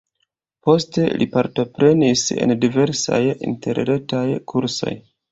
Poste li partoprenis en diversaj interretaj kursoj.